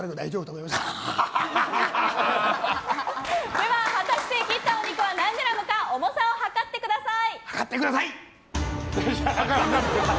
では果たして切ったお肉は何グラムか量ってください！